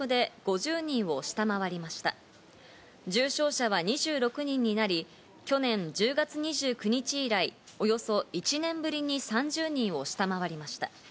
重症者は２６人になり、去年１０月２９日以来、およそ１年ぶりに３０人を下回りました。